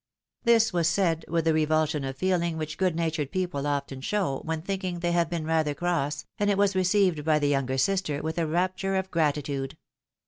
This was said with the revulsion of feeling which good natured people often show, when thinking that they have been rather cross, and it was received by the younger sister with a rapture of gratitude.